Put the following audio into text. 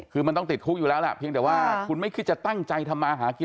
คือมันต้องติดคุกอยู่แล้วล่ะเพียงแต่ว่าคุณไม่คิดจะตั้งใจทำมาหากิน